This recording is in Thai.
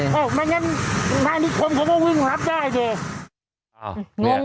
เนื้อของผมก็วิ่งลับได้เถอะ